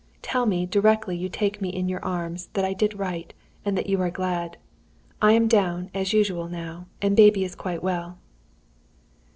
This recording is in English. Tell me, directly you take me in your arms, that I did right, and that you are glad. I am down, as usual, now, and baby is quite well."